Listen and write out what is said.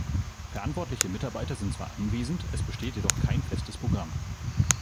Verantwortliche Mitarbeiter sind zwar anwesend, es besteht jedoch kein festes Programm.